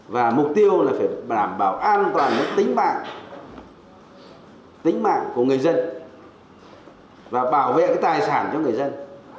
và mục tiêu là phải bảo an toàn tính mạng của người dân và bảo vệ tài sản cho người dân